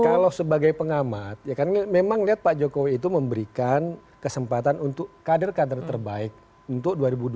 kalau sebagai pengamat ya kan memang lihat pak jokowi itu memberikan kesempatan untuk kader kader terbaik untuk dua ribu dua puluh